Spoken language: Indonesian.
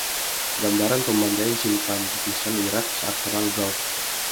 Gambaran pembantaian simpatisan Irak saat Perang Gulf.